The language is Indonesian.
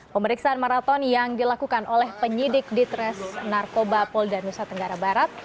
pemeriksaan maraton yang dilakukan oleh penyidik ditres narkoba polda nusa tenggara barat